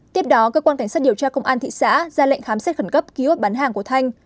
tiếp đó cơ quan cảnh sát điều tra công an thị xã ra lệnh khám xét khẩn cấp ký ốt bán hàng của thanh